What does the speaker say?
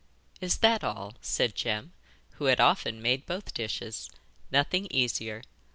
'Is that all!' said Jem, who had often made both dishes. 'Nothing easier.